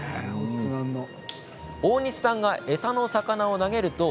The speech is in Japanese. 大西さんが餌の魚を投げると